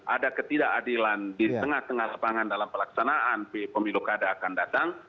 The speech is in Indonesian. ada ketidakadilan di tengah tengah lapangan dalam pelaksanaan pemilu kada akan datang